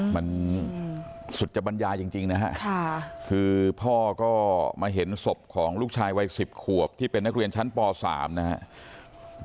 มันสุจบรรยาจริงนะฮะคือพ่อก็มาเห็นศพของลูกชายวัย๑๐ขวบที่เป็นนักเรียนชั้นป๓นะครับ